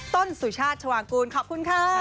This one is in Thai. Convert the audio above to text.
สุชาติชวางกูลขอบคุณค่ะ